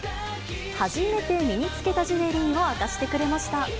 初めて身につけたジュエリーを明かしてくれました。